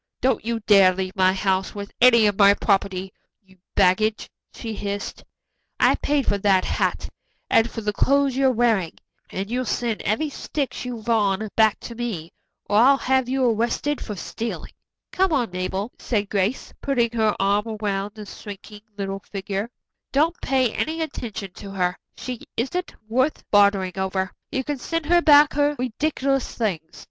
"Don't you dare leave my house with any of my property, you baggage," she hissed. "I paid for that hat and for the clothes you're wearing, and you'll send every stitch you've on back to me, or I'll have you arrested for stealing." [Illustration: "Don't You Dare Leave This House With My Property."] "Come on, Mabel," said Grace, putting her arm around the shrinking little figure. "Don't pay any attention to her. She isn't worth bothering over. You can send her back her ridiculous things.